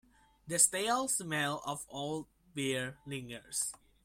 The stale smell of old beer lingers.